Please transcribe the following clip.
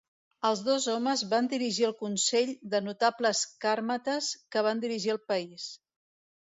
Els dos homes van dirigir el consell de notables càrmates que va dirigir el país.